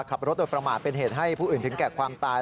ขับรถโดยประมาทเป็นเหตุให้ผู้อื่นถึงแก่ความตาย